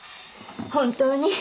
本当に。